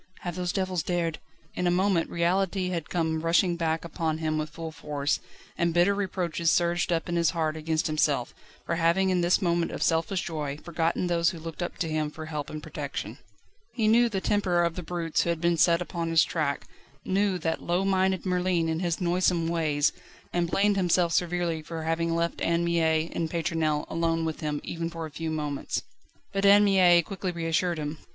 Have those devils dared ..." In a moment reality had come rushing back upon him with full force, and bitter reproaches surged up in his heart against himself, for having in this moment of selfish joy forgotten those who looked up to him for help and protection. He knew the temper of the brutes who had been set upon his track, knew that low minded Merlin and his noisome ways, and blamed himself severely for having left Anne Mie and Pétronelle alone with him even for a few moments. But Anne Mie quickly reassured him.